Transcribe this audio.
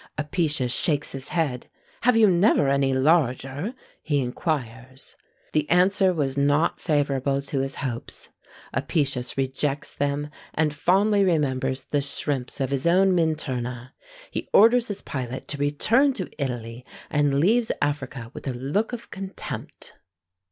Apicius shakes his head: "Have you never any larger?" he inquires. The answer was not favourable to his hopes. Apicius rejects them, and fondly remembers the shrimps of his own Minturna. He orders his pilot to return to Italy, and leaves Africa with a look of contempt.